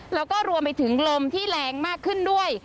แล้วก็รวมไปถึงลมที่แรงมากขึ้นด้วย